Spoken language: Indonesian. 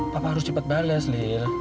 papa harus cepat bales nih